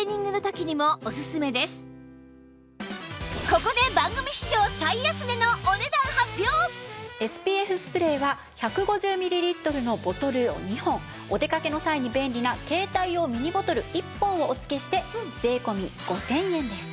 ここで ＳＰＦ スプレーは１５０ミリリットルのボトルを２本お出かけの際に便利な携帯用ミニボトル１本をお付けして税込５０００円です。